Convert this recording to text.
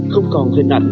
không còn gần ảnh